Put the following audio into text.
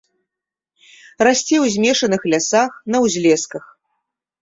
Расце ў змешаных лясах, на ўзлесках.